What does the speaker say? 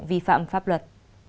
vì phạm pháp luật